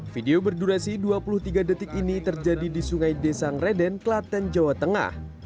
video berdurasi dua puluh tiga detik ini terjadi di sungai desa ngereden klaten jawa tengah